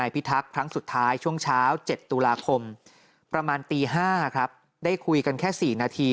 ประมาณตี๕ครับได้คุยกันแค่๔นาที